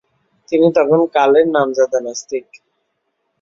তিনি তখনকার কালের নামজাদা নাস্তিক।